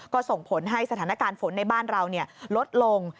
ก็ส่งผลให้สถานการณ์ฝนในบ้านเราลดลง